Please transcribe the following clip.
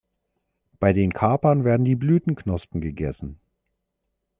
Bei den Kapern werden die Blütenknospen gegessen.